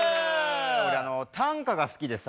俺短歌が好きでさ。